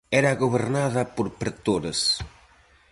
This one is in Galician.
Era gobernada por pretores.